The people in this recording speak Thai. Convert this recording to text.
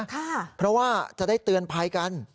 เพราะว่าจะได้เตือนภัยกัน